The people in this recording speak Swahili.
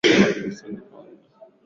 Mlango wa mbingu ni Yesu Mwokozi,